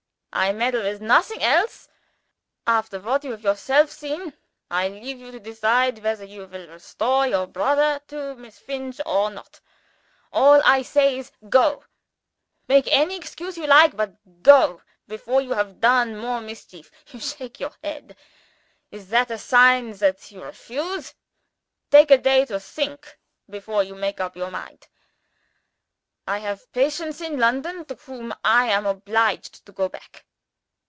I meddle with nothing else. After what you have yourself seen, I leave you to decide whether you will restore your brother to Miss Finch, or not. All I say is, Go. Make any excuse you like, but go before you have done more mischief. You shake your head! Is that a sign that you refuse? Take a day to think, before you make up your mind. I have patients in London to whom I am obliged to go back.